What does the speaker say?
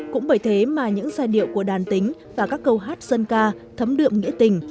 cũng bởi thế mà những giai điệu của đàn tính và các câu hát dân ca thấm đượm nghĩa tình